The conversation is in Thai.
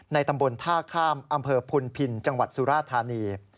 ตำบลท่าข้ามอำเภอพุนพินจังหวัดสุราธานี